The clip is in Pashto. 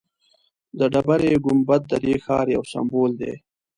د ډبرې ګنبد ددې ښار یو سمبول دی.